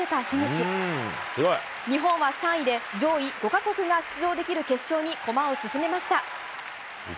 日本は３位で上位５か国が出場できる決勝に駒を進めました。